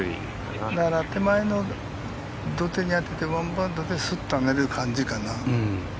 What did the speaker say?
だから、手前の土手に当ててワンバウンドですっと上げる感じかな。